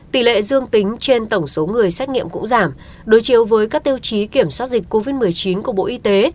tỷ lệ dương tính trên tổng số người xét nghiệm cũng giảm đối chiếu với các tiêu chí kiểm soát dịch covid một mươi chín của bộ y tế